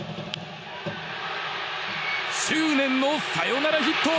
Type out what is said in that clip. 執念のサヨナラヒット。